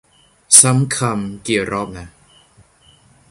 ซ้ำคำกี่รอบน่ะ